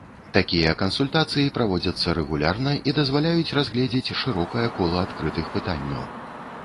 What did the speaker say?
Такія кансультацыі праводзяцца рэгулярна і дазваляюць разгледзець шырокае кола адкрытых пытанняў.